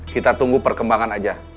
kita tunggu perkembangan aja